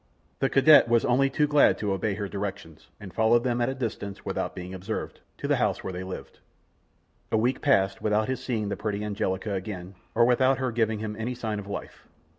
The cadet was only too glad to obey her directions, and followed them at a distance, without being observed, to the house where they lived. A week passed without his seeing the pretty Angelica again, or without her giving him any sign of life.